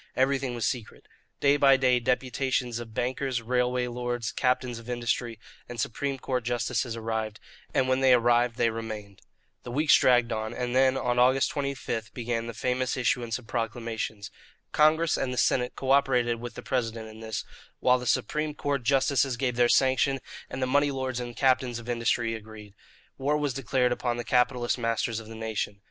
Everything was secret. Day by day deputations of bankers, railway lords, captains of industry, and Supreme Court justices arrived; and when they arrived they remained. The weeks dragged on, and then, on August 25, began the famous issuance of proclamations. Congress and the Senate co operated with the President in this, while the Supreme Court justices gave their sanction and the money lords and the captains of industry agreed. War was declared upon the capitalist masters of the nation.